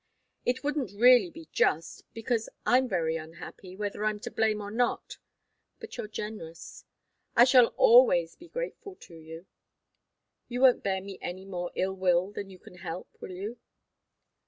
It wouldn't really be just, because I'm very unhappy, whether I'm to blame or not. But you're generous. I shall always be grateful to you. You won't bear me any more ill will than you can help, will you?"